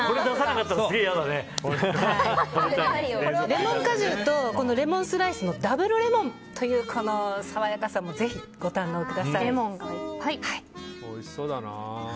レモン果汁とレモンスライスのダブルレモンというこの爽やかさもぜひご堪能ください。